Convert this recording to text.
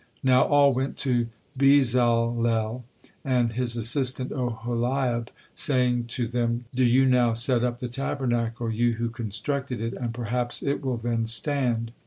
Now all went to Bezalel and his assistant Oholiab, saying to them: "Do you now set up the Tabernacle, you who constructed it, and perhaps it will then stand."